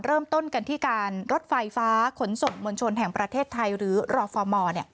เริ่มต้นกันที่การรถไฟฟ้าขนส่งมวลชนแห่งประเทศไทยหรือรฟม